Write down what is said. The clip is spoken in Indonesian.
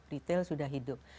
retail sudah hidup